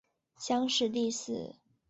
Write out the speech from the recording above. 乡试第四。